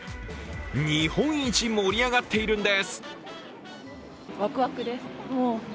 日本一盛り上がっているんです。